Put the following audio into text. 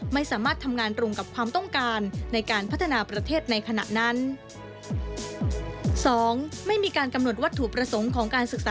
ไม่สามารถทำงานตรงกับความต้องการในการพัฒนาประเทศในขณะนั้น